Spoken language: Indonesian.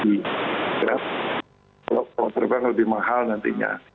kalau terbang lebih mahal nantinya